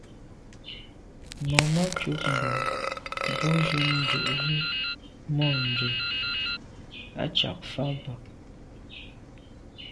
Màmá cúp mbə̄ bù jún ndʉ̌ʼ jí mû’ndʉ̀ à’ cák fá bə̀k.